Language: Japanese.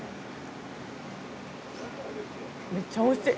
めっちゃおいしい！